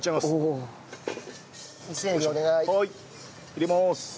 入れます。